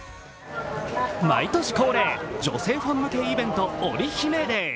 毎年恒例、女性ファン向けイベント、オリ姫デー。